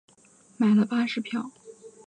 买了巴士票